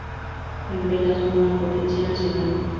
En vela son una potencia nacional.